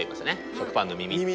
食パンの耳。